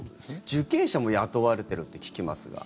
受刑者も雇われてるって聞きますが。